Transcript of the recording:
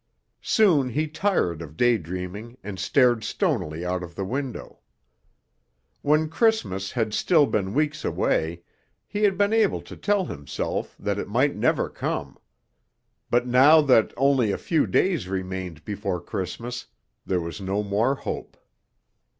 Soon he tired of daydreaming and stared stonily out of the window. When Christmas had still been weeks away, he had been able to tell himself that it might never come. But now that only a few days remained before Christmas, there was no more hope.